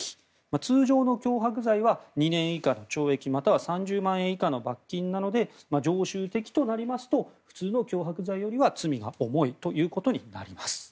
通常の脅迫罪は２年以下の懲役または３０万円以下の罰金なので常習的となりますと普通の脅迫罪よりは罪が重いということになります。